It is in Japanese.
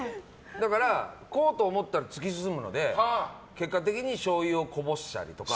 だからこうと思ったら突き進むので結果的にしょうゆをこぼしたりとか。